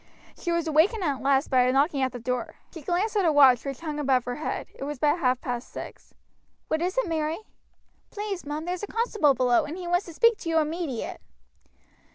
She was awaked at last by a knocking at the door; she glanced at her watch, which hung above her head; it was but half past six. "What is it, Mary?" "Please, mum, there's a constable below, and he wants to speak to you immediate."